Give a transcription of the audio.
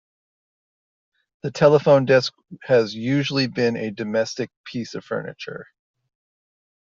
The telephone desk has usually been a domestic piece of furniture.